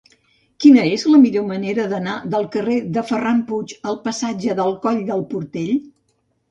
Quina és la millor manera d'anar del carrer de Ferran Puig al passatge del Coll del Portell?